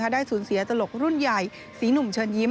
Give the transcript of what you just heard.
ได้สูญเสียตลกรุ่นใหญ่สีหนุ่มเชิญยิ้ม